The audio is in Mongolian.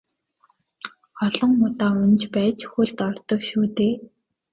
Олон удаа унаж байж хөлд ордог шүү дээ.